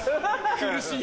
苦しい。